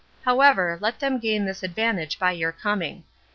However, let them gain this advantage by your coming.